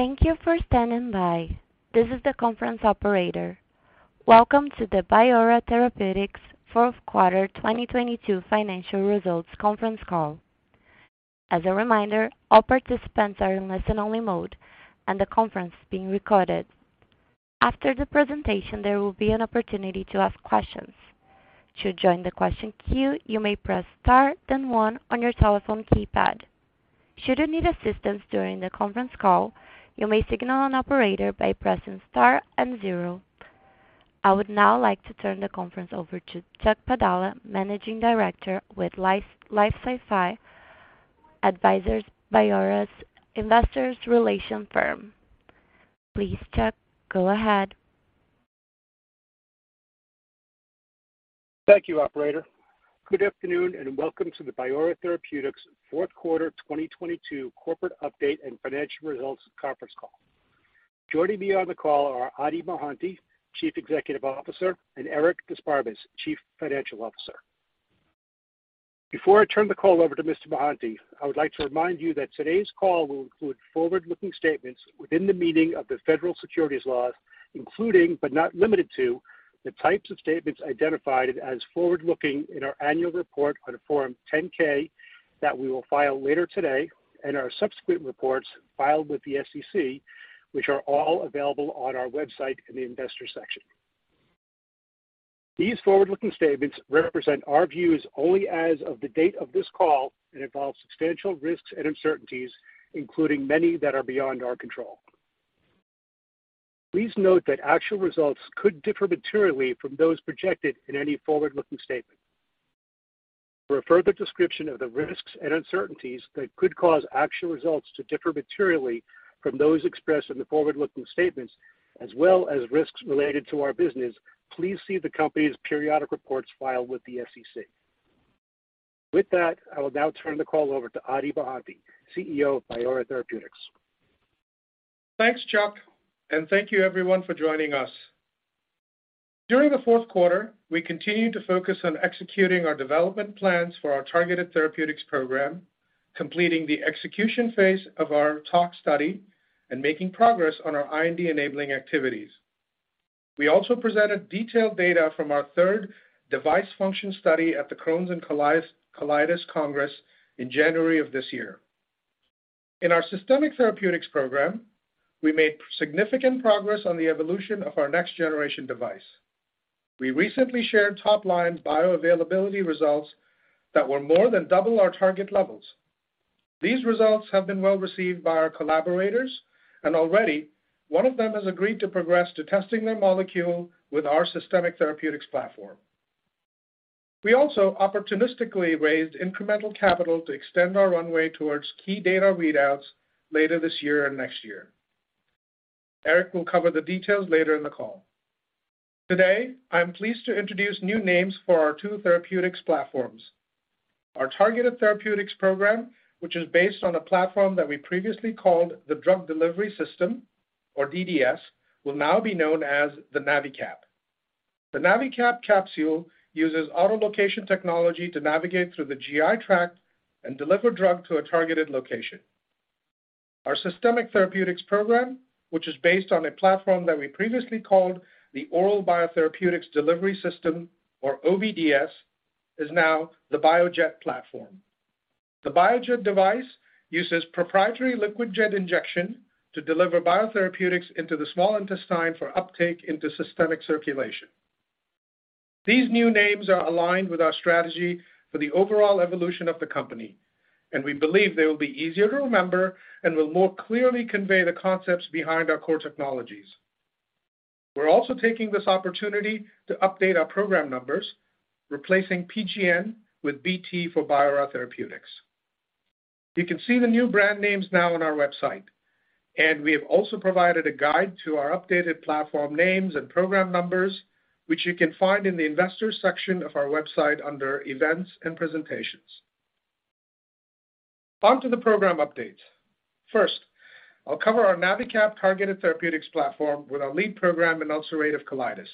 Thank you for standing by. This is the conference operator. Welcome to the Biora Therapeutics fourth quarter 2022 financial results conference call. As a reminder, all participants are in listen-only mode, and the conference is being recorded. After the presentation, there will be an opportunity to ask questions. To join the question queue, you may press star, then one on your telephone keypad. Should you need assistance during the conference call, you may signal an operator by pressing star and zero. I would now like to turn the conference over to Chuck Padala, Managing Director with LifeSci Advisors, Biora's investor relations firm. Please, Chuck, go ahead. Thank you, operator. Good afternoon, and welcome to the Biora Therapeutics fourth quarter 2022 corporate update and financial results conference call. Joining me on the call are Adi Mohanty, Chief Executive Officer, and Eric d'Esparbes, Chief Financial Officer. Before I turn the call over to Mr. Mohanty, I would like to remind you that today's call will include forward-looking statements within the meaning of the federal securities laws, including, but not limited to, the types of statements identified as forward-looking in our annual report on a Form 10-K that we will file later today and our subsequent reports filed with the SEC, which are all available on our website in the investors section. These forward-looking statements represent our views only as of the date of this call and involve substantial risks and uncertainties, including many that are beyond our control. Please note that actual results could differ materially from those projected in any forward-looking statement. For a further description of the risks and uncertainties that could cause actual results to differ materially from those expressed in the forward-looking statements as well as risks related to our business, please see the company's periodic reports filed with the SEC. With that, I will now turn the call over to Adi Mohanty, CEO of Biora Therapeutics. Thanks, Chuck. Thank you everyone for joining us. During the fourth quarter, we continued to focus on executing our development plans for our targeted therapeutics program, completing the execution phase of our tox study and making progress on our IND-enabling activities. We also presented detailed data from our third device function study at the Crohn's & Colitis Congress in January of this year. In our systemic therapeutics program, we made significant progress on the evolution of our next-generation device. We recently shared top-line bioavailability results that were more than double our target levels. These results have been well-received by our collaborators. Already one of them has agreed to progress to testing their molecule with our systemic therapeutics platform. We also opportunistically raised incremental capital to extend our runway towards key data readouts later this year and next year. Eric will cover the details later in the call. Today, I'm pleased to introduce new names for our two therapeutics platforms. Our targeted therapeutics program, which is based on a platform that we previously called the Drug Delivery System or DDS, will now be known as the NaviCap. The NaviCap capsule uses auto-location technology to navigate through the GI tract and deliver drug to a targeted location. Our systemic therapeutics program, which is based on a platform that we previously called the Oral Biotherapeutics Delivery System or OBDS, is now the BioJet platform. The BioJet device uses proprietary liquid jet injection to deliver biotherapeutics into the small intestine for uptake into systemic circulation. These new names are aligned with our strategy for the overall evolution of the company, and we believe they will be easier to remember and will more clearly convey the concepts behind our core technologies. We're also taking this opportunity to update our program numbers, replacing PGN with BT for Biora Therapeutics. You can see the new brand names now on our website, and we have also provided a guide to our updated platform names and program numbers, which you can find in the investors section of our website under events and presentations. On to the program updates. First, I'll cover our NaviCap targeted therapeutics platform with our lead program in ulcerative colitis.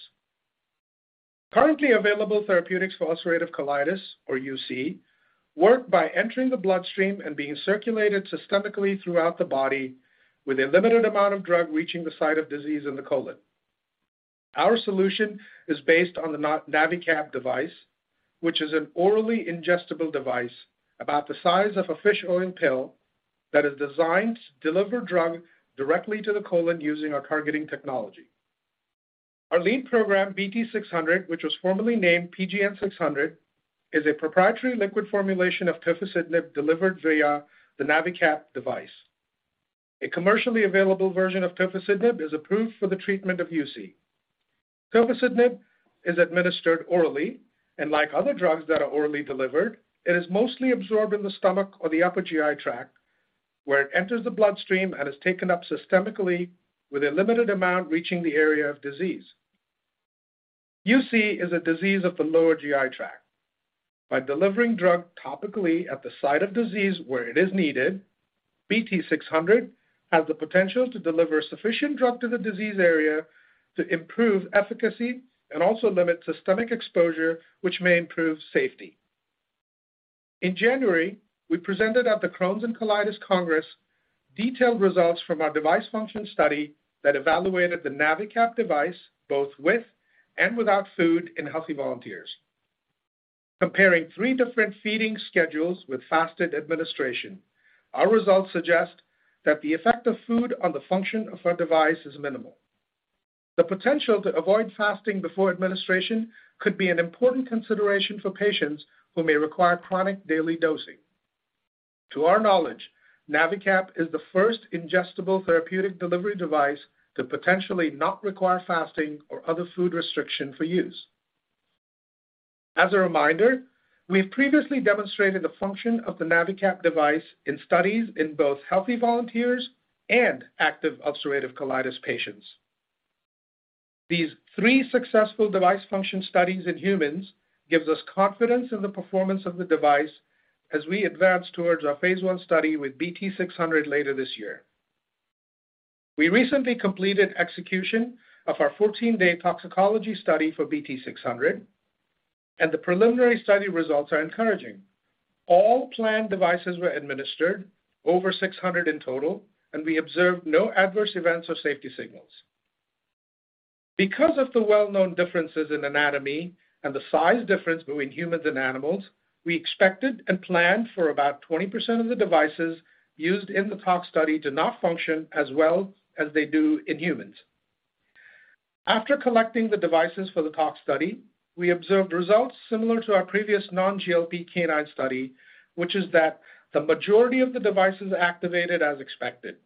Currently available therapeutics for ulcerative colitis or UC, work by entering the bloodstream and being circulated systemically throughout the body with a limited amount of drug reaching the site of disease in the colon. Our solution is based on the NaviCap device, which is an orally ingestible device about the size of a fish oil pill that is designed to deliver drug directly to the colon using our targeting technology. Our lead program, BT-600, which was formerly named PGN-600, is a proprietary liquid formulation of tofacitinib delivered via the NaviCap device. A commercially available version of tofacitinib is approved for the treatment of UC. Tofacitinib is administered orally, and like other drugs that are orally delivered, it is mostly absorbed in the stomach or the upper GI tract, where it enters the bloodstream and is taken up systemically with a limited amount reaching the area of disease. UC is a disease of the lower GI tract. By delivering drug topically at the site of disease where it is needed, BT-600 has the potential to deliver sufficient drug to the disease area to improve efficacy and also limit systemic exposure, which may improve safety. In January, we presented at the Crohn's & Colitis Congress detailed results from our device function study that evaluated the NaviCap device both with and without food in healthy volunteers. Comparing three different feeding schedules with fasted administration, our results suggest that the effect of food on the function of our device is minimal. The potential to avoid fasting before administration could be an important consideration for patients who may require chronic daily dosing. To our knowledge, NaviCap is the first ingestible therapeutic delivery device to potentially not require fasting or other food restriction for use. As a reminder, we've previously demonstrated the function of the NaviCap device in studies in both healthy volunteers and active ulcerative colitis patients. These three successful device function studies in humans gives us confidence in the performance of the device as we advance towards our phase I study with BT-600 later this year. We recently completed execution of our 14-day toxicology study for BT-600, and the preliminary study results are encouraging. All planned devices were administered, over 600 in total, and we observed no adverse events or safety signals. Because of the well-known differences in anatomy and the size difference between humans and animals, we expected and planned for about 20% of the devices used in the tox study to not function as well as they do in humans. After collecting the devices for the tox study, we observed results similar to our previous non-GLP canine study, which is that the majority of the devices activated as expected.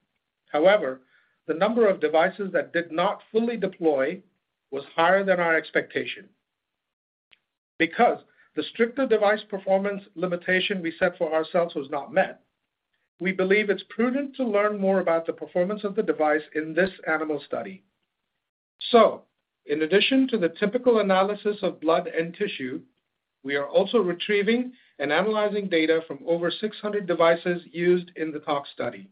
However, the number of devices that did not fully deploy was higher than our expectation. Because the stricter device performance limitation we set for ourselves was not met, we believe it's prudent to learn more about the performance of the device in this animal study. In addition to the typical analysis of blood and tissue, we are also retrieving and analyzing data from over 600 devices used in the tox study.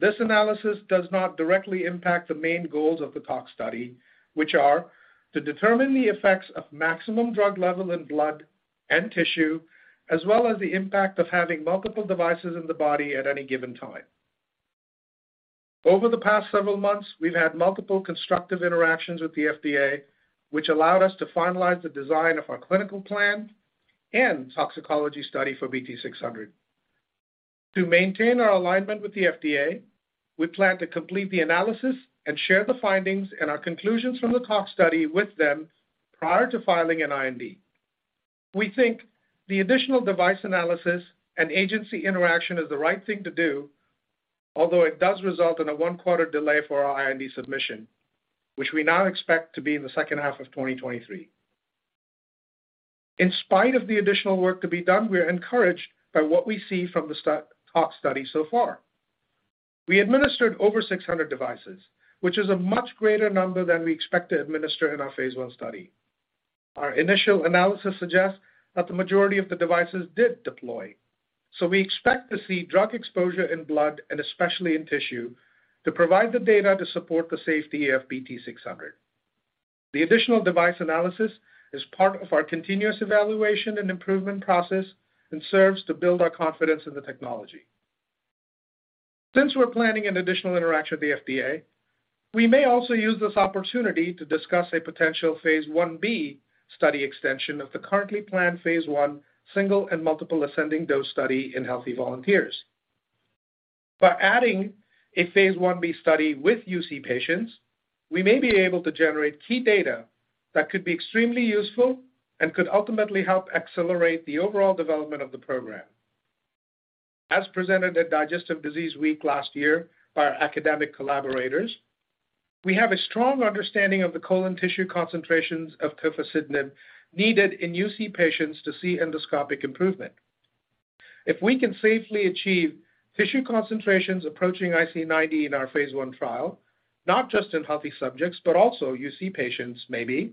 This analysis does not directly impact the main goals of the tox study, which are to determine the effects of maximum drug level in blood and tissue, as well as the impact of having multiple devices in the body at any given time. Over the past several months, we've had multiple constructive interactions with the FDA, which allowed us to finalize the design of our clinical plan and toxicology study for BT-600. To maintain our alignment with the FDA, we plan to complete the analysis and share the findings and our conclusions from the tox study with them prior to filing an IND. We think the additional device analysis and agency interaction is the right thing to do, although it does result in a one-quarter delay for our IND submission, which we now expect to be in the second half of 2023. In spite of the additional work to be done, we are encouraged by what we see from the tox study so far. We administered over 600 devices, which is a much greater number than we expect to administer in our phase I study. Our initial analysis suggests that the majority of the devices did deploy, so we expect to see drug exposure in blood and especially in tissue to provide the data to support the safety of BT-600. The additional device analysis is part of our continuous evaluation and improvement process and serves to build our confidence in the technology. Since we're planning an additional interaction with the FDA, we may also use this opportunity to discuss a potential phase I-B study extension of the currently planned phase I single and multiple ascending dose study in healthy volunteers. By adding a phase I-B study with UC patients, we may be able to generate key data that could be extremely useful and could ultimately help accelerate the overall development of the program. As presented at Digestive Disease Week last year by our academic collaborators, we have a strong understanding of the colon tissue concentrations of tofacitinib needed in UC patients to see endoscopic improvement. If we can safely achieve tissue concentrations approaching IC90 in our phase I trial, not just in healthy subjects, but also UC patients maybe,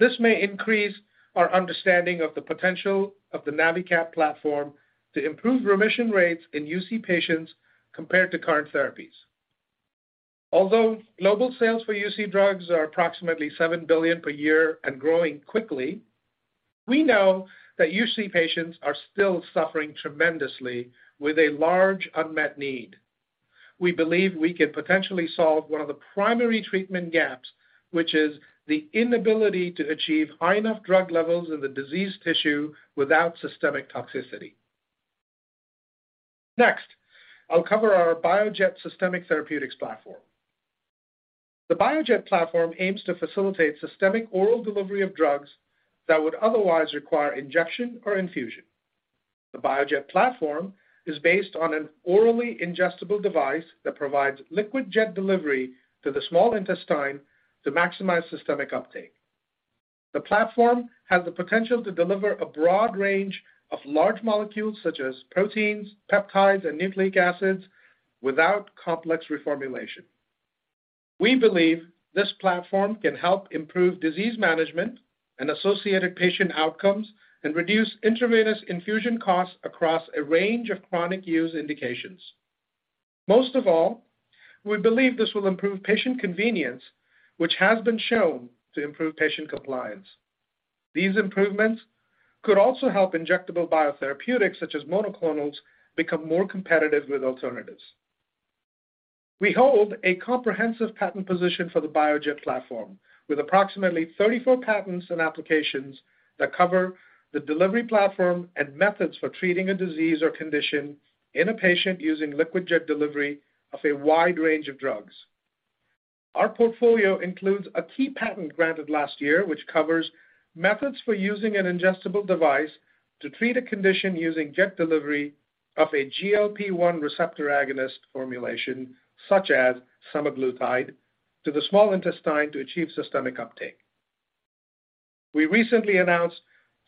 this may increase our understanding of the potential of the NaviCap platform to improve remission rates in UC patients compared to current therapies. Global sales for UC drugs are approximately $7 billion per year and growing quickly, we know that UC patients are still suffering tremendously with a large unmet need. We believe we can potentially solve one of the primary treatment gaps, which is the inability to achieve high enough drug levels in the diseased tissue without systemic toxicity. I'll cover our BioJet systemic therapeutics platform. The BioJet platform aims to facilitate systemic oral delivery of drugs that would otherwise require injection or infusion. The BioJet platform is based on an orally ingestible device that provides liquid jet delivery to the small intestine to maximize systemic uptake. The platform has the potential to deliver a broad range of large molecules such as proteins, peptides, and nucleic acids without complex reformulation. We believe this platform can help improve disease management and associated patient outcomes and reduce intravenous infusion costs across a range of chronic use indications. Most of all, we believe this will improve patient convenience, which has been shown to improve patient compliance. These improvements could also help injectable biotherapeutics such as monoclonals become more competitive with alternatives. We hold a comprehensive patent position for the BioJet platform, with approximately 34 patents and applications that cover the delivery platform and methods for treating a disease or condition in a patient using liquid jet delivery of a wide range of drugs. Our portfolio includes a key patent granted last year, which covers methods for using an ingestible device to treat a condition using jet delivery of a GLP-1 receptor agonist formulation, such as semaglutide, to the small intestine to achieve systemic uptake. We recently announced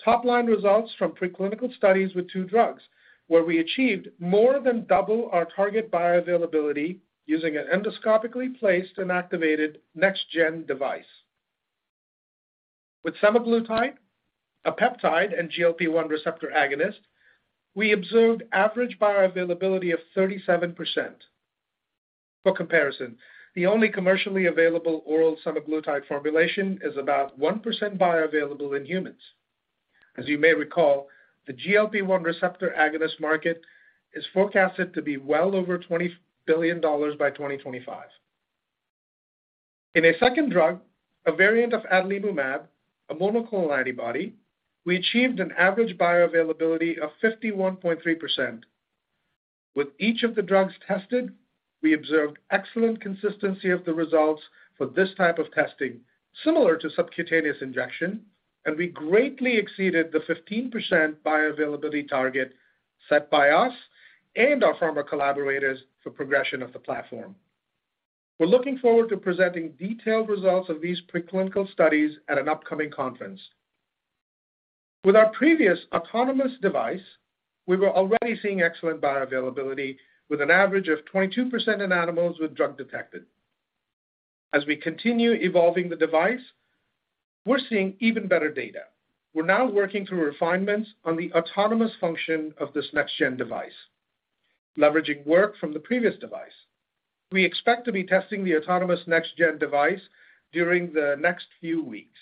top-line results from preclinical studies with two drugs, where we achieved more than double our target bioavailability using an endoscopically placed and activated next-gen device. With semaglutide, a peptide and GLP-1 receptor agonist, we observed average bioavailability of 37%. For comparison, the only commercially available oral semaglutide formulation is about 1% bioavailable in humans. As you may recall, the GLP-1 receptor agonist market is forecasted to be well over $20 billion by 2025. In a second drug, a variant of adalimumab, a monoclonal antibody, we achieved an average bioavailability of 51.3%. With each of the drugs tested, we observed excellent consistency of the results for this type of testing, similar to subcutaneous injection, and we greatly exceeded the 15% bioavailability target set by us and our pharma collaborators for progression of the platform. We're looking forward to presenting detailed results of these preclinical studies at an upcoming conference. With our previous autonomous device, we were already seeing excellent bioavailability with an average of 22% in animals with drug detected. As we continue evolving the device, we're seeing even better data. We're now working through refinements on the autonomous function of this next-gen device, leveraging work from the previous device. We expect to be testing the autonomous next-gen device during the next few weeks.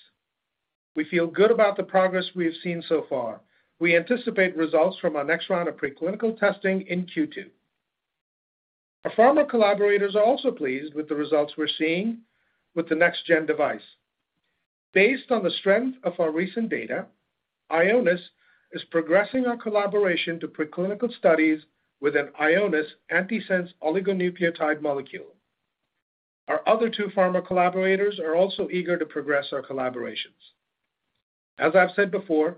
We feel good about the progress we have seen so far. We anticipate results from our next round of preclinical testing in Q2. Our pharma collaborators are also pleased with the results we're seeing with the next-gen device. Based on the strength of our recent data, Ionis is progressing our collaboration to preclinical studies with an Ionis antisense oligonucleotide molecule. Our other two pharma collaborators are also eager to progress our collaborations. As I've said before,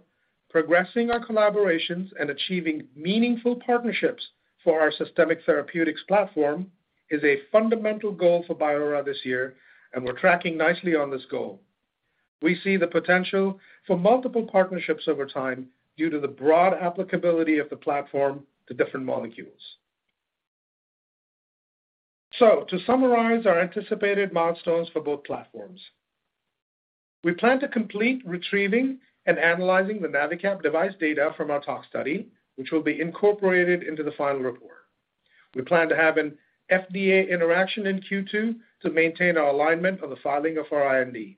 progressing our collaborations and achieving meaningful partnerships for our systemic therapeutics platform is a fundamental goal for Biora this year, and we're tracking nicely on this goal. We see the potential for multiple partnerships over time due to the broad applicability of the platform to different molecules. To summarize our anticipated milestones for both platforms, we plan to complete retrieving and analyzing the NaviCap device data from our tox study, which will be incorporated into the final report. We plan to have an FDA interaction in Q2 to maintain our alignment of the filing of our IND.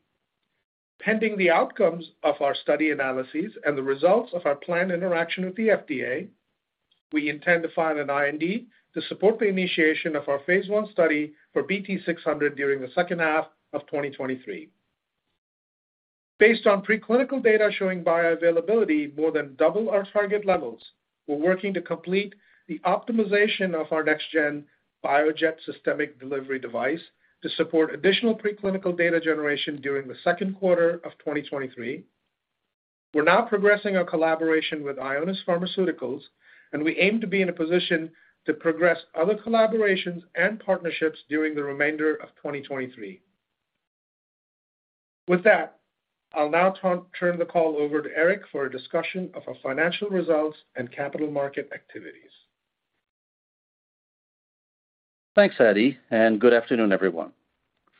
Pending the outcomes of our study analyses and the results of our planned interaction with the FDA, we intend to file an IND to support the initiation of our phase I study for BT600 during the second half of 2023. Based on preclinical data showing bioavailability more than double our target levels, we're working to complete the optimization of our next-gen BioJet systemic delivery device to support additional preclinical data generation during the second quarter of 2023. We're now progressing our collaboration with Ionis Pharmaceuticals, and we aim to be in a position to progress other collaborations and partnerships during the remainder of 2023. With that, I'll now turn the call over to Eric for a discussion of our financial results and capital market activities. Thanks, Adi, and good afternoon, everyone.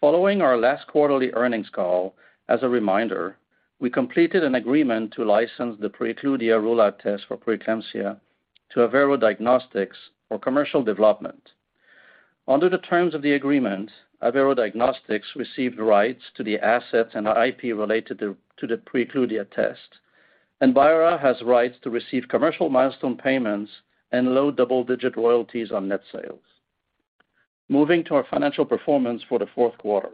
Following our last quarterly earnings call, as a reminder, we completed an agreement to license the Preecludia rule-out test for preeclampsia to Avero Diagnostics for commercial development. Under the terms of the agreement, Avero Diagnostics received rights to the assets and IP related to the Preecludia test. Biora has rights to receive commercial milestone payments and low double-digit royalties on net sales. Moving to our financial performance for the fourth quarter.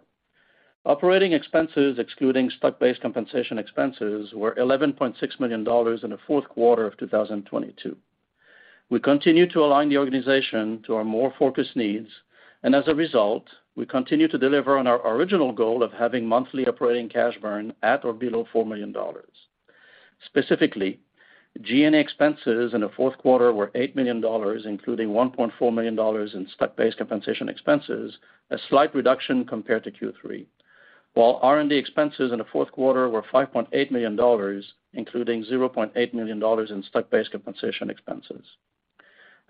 Operating expenses excluding stock-based compensation expenses were $11.6 million in the fourth quarter of 2022. We continue to align the organization to our more focused needs. As a result, we continue to deliver on our original goal of having monthly operating cash burn at or below $4 million. Specifically, G&A expenses in the fourth quarter were $8 million, including $1.4 million in stock-based compensation expenses, a slight reduction compared to Q3. R&D expenses in the fourth quarter were $5.8 million, including $0.8 million in stock-based compensation expenses.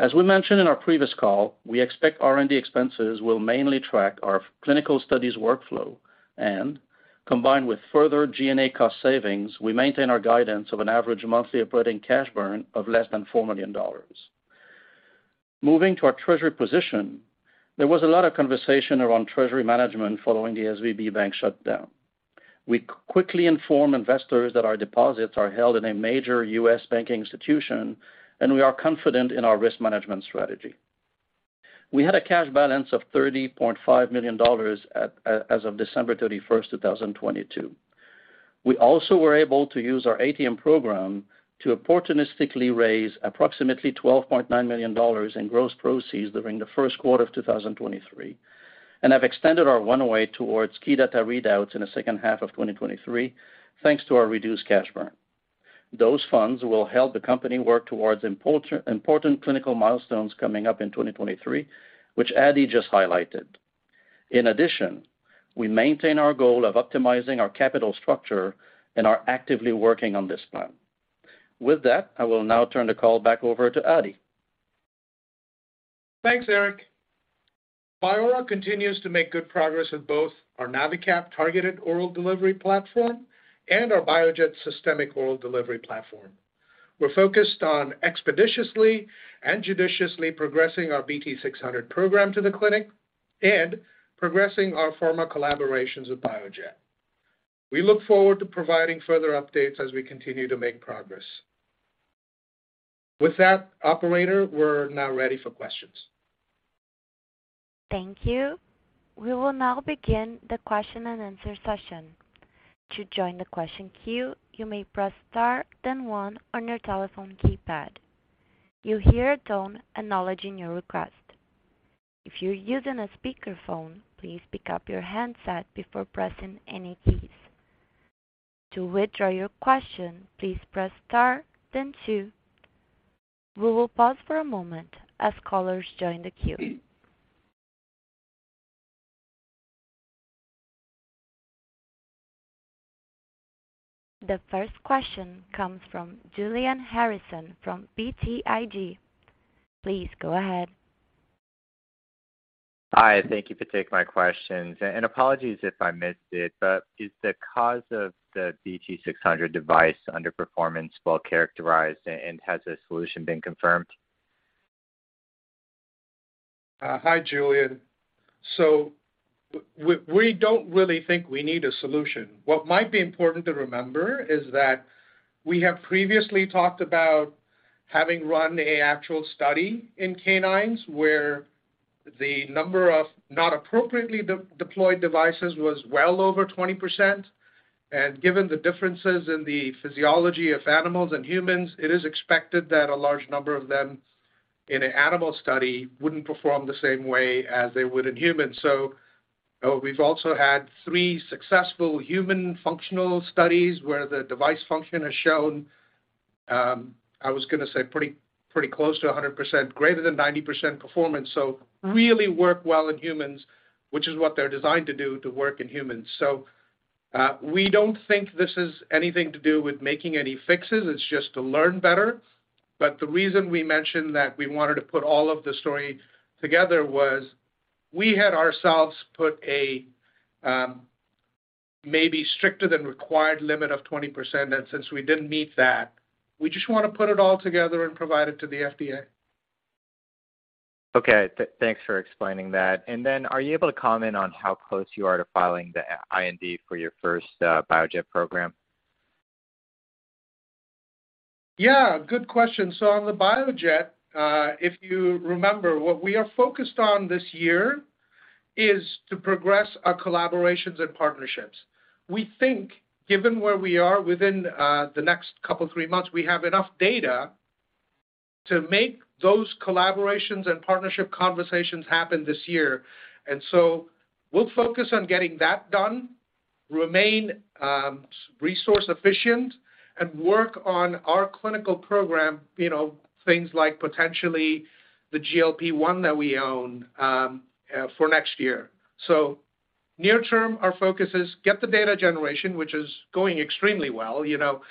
As we mentioned in our previous call, we expect R&D expenses will mainly track our clinical studies workflow. Combined with further G&A cost savings, we maintain our guidance of an average monthly operating cash burn of less than $4 million. Moving to our treasury position, there was a lot of conversation around treasury management following the SVB bank shutdown. We quickly informed investors that our deposits are held in a major U.S. banking institution, and we are confident in our risk management strategy. We had a cash balance of $30.5 million as of December 31st, 2022. We also were able to use our ATM program to opportunistically raise approximately $12.9 million in gross proceeds during the first quarter of 2023 and have extended our runway towards key data readouts in the second half of 2023, thanks to our reduced cash burn. Those funds will help the company work towards important clinical milestones coming up in 2023, which Adi just highlighted. In addition, we maintain our goal of optimizing our capital structure and are actively working on this plan. With that, I will now turn the call back over to Adi. Thanks, Eric. Biora continues to make good progress with both our NaviCap targeted oral delivery platform and our BioJet systemic oral delivery platform. We're focused on expeditiously and judiciously progressing our BT-600 program to the clinic and progressing our pharma collaborations with BioJet. We look forward to providing further updates as we continue to make progress. With that, operator, we're now ready for questions. Thank you. We will now begin the question-and-answer session. To join the question queue, you may press star, then one on your telephone keypad. You'll hear a tone acknowledging your request. If you're using a speakerphone, please pick up your handset before pressing any keys. To withdraw your question, please press star then two. We will pause for a moment as callers join the queue. The first question comes from Julian Harrison from BTIG. Please go ahead. Hi. Thank you for taking my questions. Apologies if I missed it, but is the cause of the BT-600 device underperformance well-characterized, and has a solution been confirmed? Hi, Julian. We don't really think we need a solution. What might be important to remember is that we have previously talked about having run an actual study in canines where the number of not appropriately de-deployed devices was well over 20%. Given the differences in the physiology of animals and humans, it is expected that a large number of them in an animal study wouldn't perform the same way as they would in humans. We've also had three successful human functional studies where the device function has shown, I was gonna say pretty close to 100%, greater than 90% performance. Really work well in humans, which is what they're designed to do, to work in humans. We don't think this is anything to do with making any fixes, it's just to learn better. The reason we mentioned that we wanted to put all of the story together was we had ourselves put a maybe stricter than required limit of 20%. Since we didn't meet that, we just wanna put it all together and provide it to the FDA. Okay. Thanks for explaining that. Are you able to comment on how close you are to filing the IND for your first BioJet program? Yeah, good question. On the BioJet, if you remember, what we are focused on this year is to progress our collaborations and partnerships. We think, given where we are within the next couple, three months, we have enough data to make those collaborations and partnership conversations happen this year. We'll focus on getting that done, remain resource-efficient, and work on our clinical program, you know, things like potentially the GLP-1 that we own for next year. Near term, our focus is getting the data generation, which is going extremely well. You know,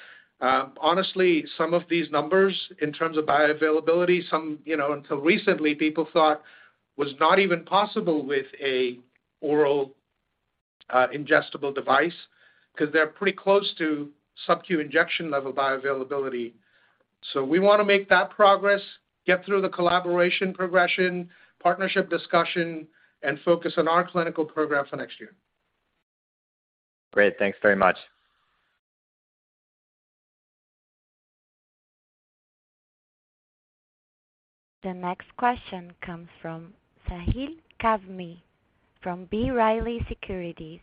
honestly, some of these numbers in terms of bioavailability, some, you know, until recently, people thought was not even possible with an oral ingestible device because they're pretty close to subQ injection level bioavailability. We wanna make that progress, get through the collaboration progression, partnership discussion, and focus on our clinical programs for next year. Great. Thanks very much. The next question comes from Sahil Kazmi from B. Riley Securities.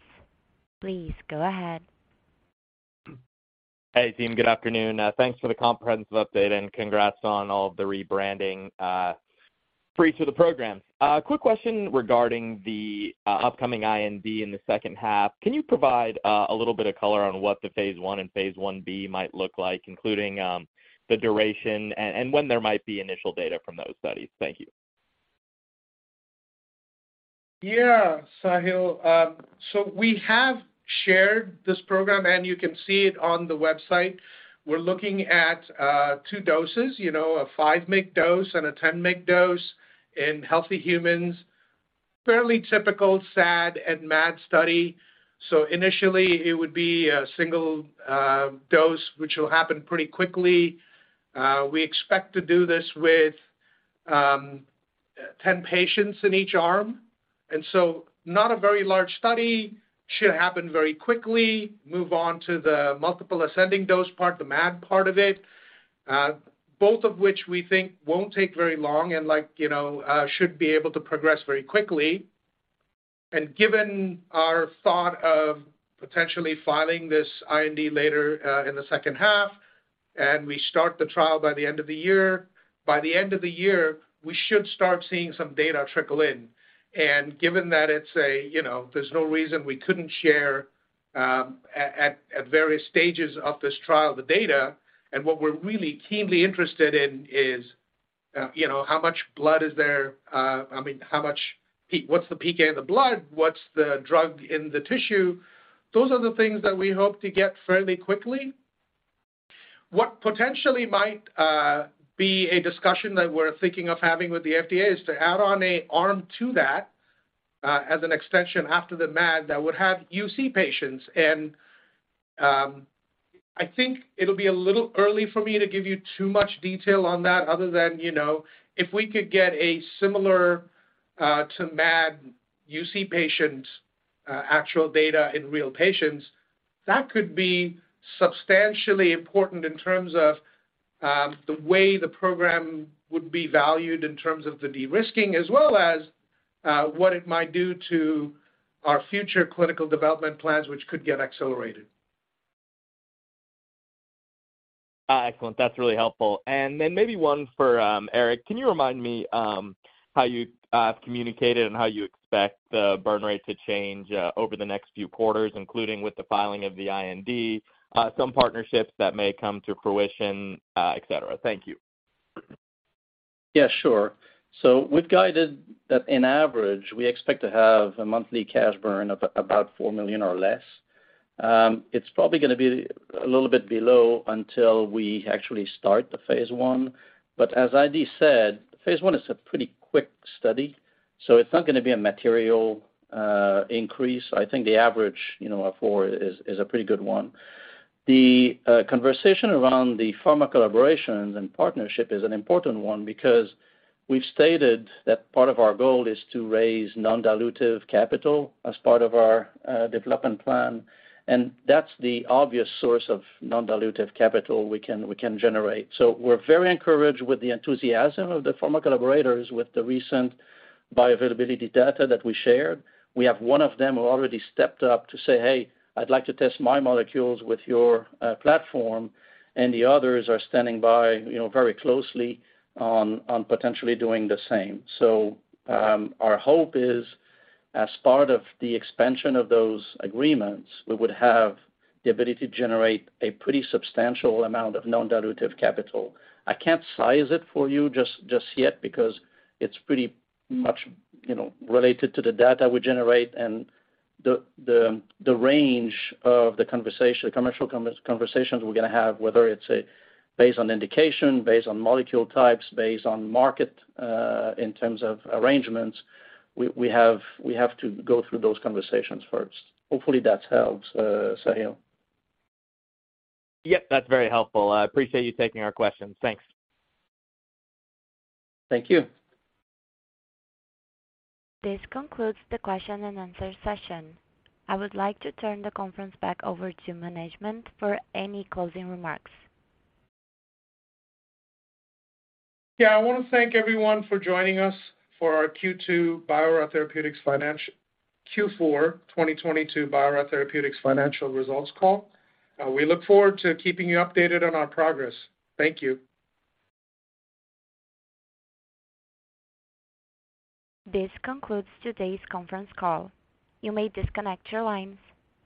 Please go ahead. Hey, team. Good afternoon. Thanks for the comprehensive update, and congrats on all of the rebranding, freeze to the program. Quick question regarding the upcoming IND in the second half. Can you provide a little bit of color on what the phase I and phase I-B might look like, including the duration and when there might be initial data from those studies? Thank you. Yeah, Sahil. We have shared this program, and you can see it on the website. We're looking at, two doses, you know, a 5 mg dose and a 10 mg dose in healthy humans. Fairly typical SAD and MAD study. Initially it would be a single dose which will happen pretty quickly. We expect to do this with, 10 patients in each arm. Not a very large study. Should happen very quickly. Move on to the multiple ascending dose part, the MAD part of it, both of which we think won't take very long and like, you know, should be able to progress very quickly. Given our thought of potentially filing this IND later, in the second half and we start the trial by the end of the year, by the end of the year we should start seeing some data trickle in. Given that it's a, you know, there's no reason we couldn't share, at various stages of this trial the data, and what we're really keenly interested in is, you know, how much blood is there? I mean what's the peak in the blood? What's the drug in the tissue? Those are the things that we hope to get fairly quickly. What potentially might be a discussion that we're thinking of having with the FDA is to add on a arm to that, as an extension after the MAD that would have UC patients. I think it'll be a little early for me to give you too much detail on that other than, you know, if we could get a similar to MAD UC patient actual data in real patients, that could be substantially important in terms of the way the program would be valued in terms of the de-risking as well as what it might do to our future clinical development plans which could get accelerated. Excellent. That's really helpful. Maybe one for Eric. Can you remind me how you communicated and how you expect the burn rate to change over the next few quarters, including with the filing of the IND, some partnerships that may come to fruition, et cetera? Thank you. Yeah, sure. We've guided that in average we expect to have a monthly cash burn of about $4 million or less. It's probably gonna be a little bit below until we actually start the phase I. As Adi said, phase I is a pretty quick study, so it's not gonna be a material increase. I think the average, you know, of $4 million is a pretty good one. The conversation around the pharma collaborations and partnership is an important one because we've stated that part of our goal is to raise non-dilutive capital as part of our development plan, and that's the obvious source of non-dilutive capital we can generate. We're very encouraged with the enthusiasm of the pharma collaborators with the recent bioavailability data that we shared. We have one of them who already stepped up to say, "Hey, I'd like to test my molecules with your platform." The others are standing by, you know, very closely on potentially doing the same. Our hope is as part of the expansion of those agreements we would have the ability to generate a pretty substantial amount of non-dilutive capital. I can't size it for you just yet because it's pretty much, you know, related to the data we generate and the range of the conversation, commercial conversations we're gonna have, whether it's based on indication, based on molecule types, based on market in terms of arrangements. We have to go through those conversations first. Hopefully that helps Sahil. Yep, that's very helpful. I appreciate you taking our questions. Thanks. Thank you. This concludes the question-and-answer session. I would like to turn the conference back over to management for any closing remarks. Yeah. I wanna thank everyone for joining us for our Q4 2022 Biora Therapeutics financial results call. We look forward to keeping you updated on our progress. Thank you. This concludes today's conference call. You may disconnect your lines.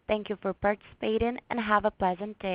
Thank you for participating and have a pleasant day.